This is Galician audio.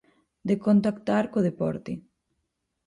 De contactar co deporte.